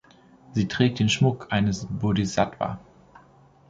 Sie trägt den Schmuck eines Bodhisattva.